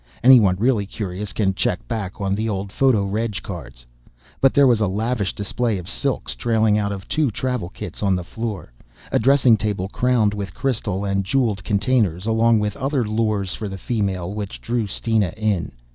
Anyone really curious can check back on the old photo reg cards. But there was a lavish display of silks trailing out of two travel kits on the floor, a dressing table crowded with crystal and jeweled containers, along with other lures for the female which drew Steena in.